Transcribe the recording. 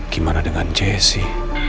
gimana dengan jessy